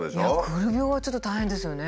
くる病はちょっと大変ですよね。